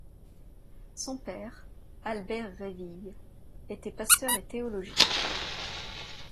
Son père, Albert Réville, était pasteur et théologien.